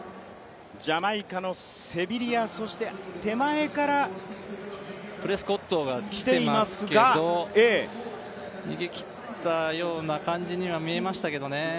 ジャマイカのセビリアそして、手前からプリスゴッドが来ていますけど逃げ切ったような感じには見えましたけどね。